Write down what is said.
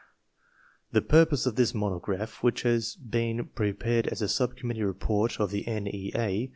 The purpose of this monograph, which has been pre pared as a subcommittee report of the N. E. A.